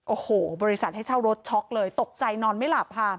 โอ้โหบริษัทให้เช่ารถช็อกเลยตกใจนอนไม่หลับค่ะ